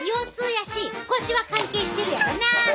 やし腰は関係してるやろな。